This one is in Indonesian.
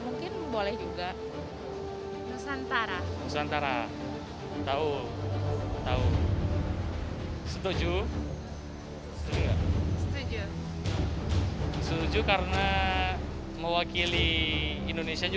mungkin boleh juga nusantara nusantara tahu tahu setuju setuju setuju setuju karena mewakili indonesia